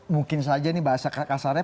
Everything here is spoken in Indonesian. mungkin saja ini bahasa kasarnya